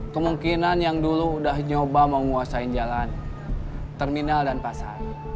kemungkinan yang dulu udah nyoba menguasai jalan terminal dan pasar